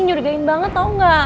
nyuruh nyuruhin banget tau gak